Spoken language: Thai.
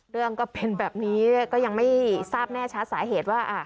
ก็เป็นแบบนี้ก็ยังไม่ทราบแน่ชัดสาเหตุว่า